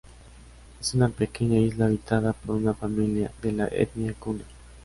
Es una pequeña isla habitada por una familia de la etnia kuna.